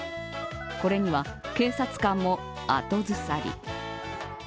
これには警察官も後ずさり。